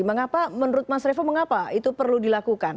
mengapa menurut mas revo mengapa itu perlu dilakukan